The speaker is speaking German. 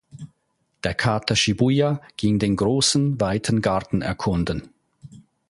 Der Kater Shibuya ging den großen weiten Garten erkunden.